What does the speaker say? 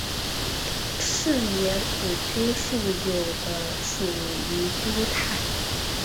嗜盐古菌素有的属于多肽。